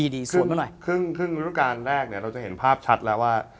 ครึ่งครึ่งฤดูการแรกเนี่ยเราจะเห็นภาพชัดแล้วว่า